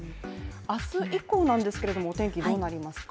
明日以降なんですが、お天気どうなりますか？